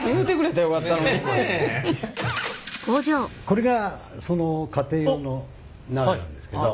これがその家庭用の鍋なんですけど。